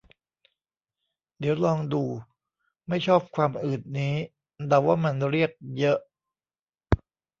เดี๋ยวลอง ดู ไม่ชอบความอืดนี้ เดาว่ามันเรียก เยอะ